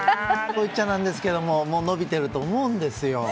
こう言っちゃなんだけど伸びていると思うんですよ。